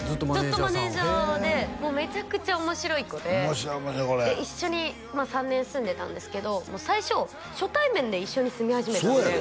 ずっとマネージャーでもうめちゃくちゃ面白い子で面白い面白いこれ一緒に３年住んでたんですけどもう最初初対面で一緒に住み始めたのでそう